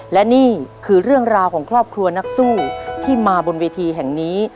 และนี่คือเรื่องราวของครอบครัวนักสู้ที่มาบนเวทีแห่งนี้